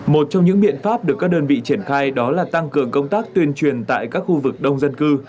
một trong những biện pháp được các đơn vị triển khai đó là tăng cường công tác tuyên truyền tại các khu vực đông dân cư